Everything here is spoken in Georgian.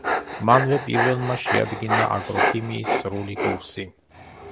მანვე პირველმა შეადგინა აგროქიმიის სრული კურსი.